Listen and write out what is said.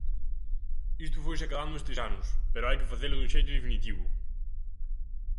Isto foise acadando estes anos pero hai que facelo dun xeito definitivo.